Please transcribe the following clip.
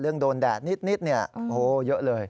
เรื่องโดนแดดนิดเนี่ยโอ้โฮเยอะเลย